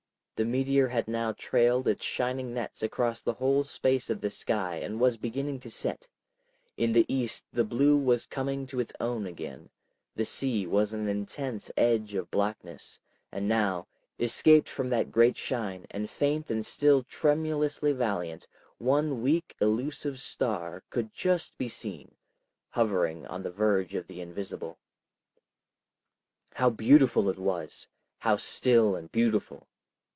The meteor had now trailed its shining nets across the whole space of the sky and was beginning to set; in the east the blue was coming to its own again; the sea was an intense edge of blackness, and now, escaped from that great shine, and faint and still tremulously valiant, one weak elusive star could just be seen, hovering on the verge of the invisible. How beautiful it was! how still and beautiful!